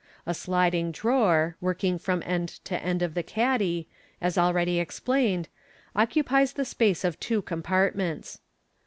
A sliding drawer, working from end to end of the caddy, as already explained, occupies the space of two compartments.